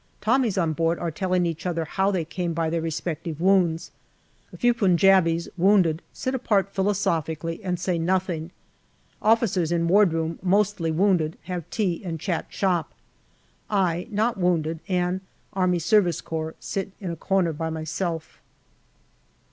Tommies on board are telling each other how they came by their respective wounds. A few Punjabis, wounded, sit apart philosophically and say nothing. Officers in wardroom, mostly wounded, have tea and chat shop. I, not wounded, and A.S.C., sit in a corner by myself.